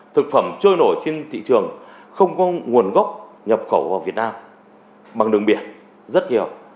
thực phẩm trôi nổi trên thị trường không có nguồn gốc nhập khẩu vào việt nam bằng đường biển rất nhiều